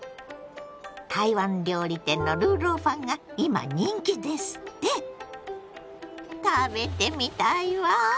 台湾料理店の魯肉飯が今人気ですって⁉食べてみたいわ。